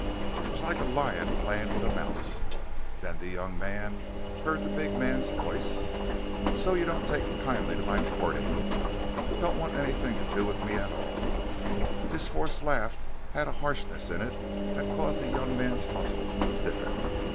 It was like a lion playing with a mouse. Then the young man heard the big man's voice: "So you don't take kindly to my courting? Don't want anything to do with me at all?" His forced laugh had a harshness in it that caused the young man's muscles to stiffen.